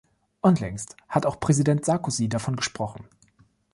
Unlängst hat auch Präsident Sarkozy davon gesprochen.